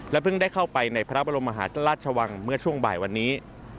เพิ่งได้เข้าไปในพระบรมมหาราชวังเมื่อช่วงบ่ายวันนี้